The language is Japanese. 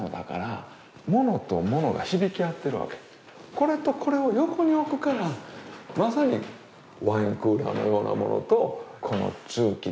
これとこれを横に置くからまさにワインクーラーのようなものとこの鍮器ですね